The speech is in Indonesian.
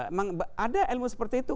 memang ada ilmu seperti itu